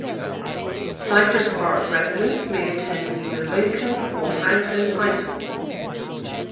Cypress Park residents may attend either Lincoln or Franklin high school.